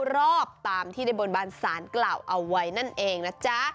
รอบตามที่ได้บนบานศาลกล่าวเอาไว้นั่นเองนะจ๊ะ